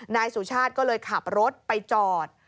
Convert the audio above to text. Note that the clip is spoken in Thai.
นายสุชาติก็เลยขับรถไปจอด